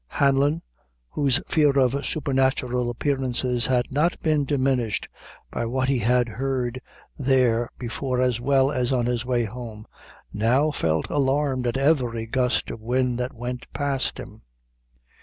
Hanlon, whose fear of supernatural appearances had not been diminished by what he had heard there before as well as on his way home, now felt alarmed at every gust of wind that went past him.